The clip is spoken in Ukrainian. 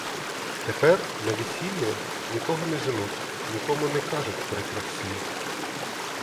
Тепер, на весіллі, нікого не женуть, нікому не кажуть прикрих слів.